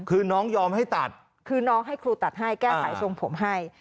คือน้องยอมให้ตัดคือน้องให้ครูตัดให้แก้ไขทรงผมให้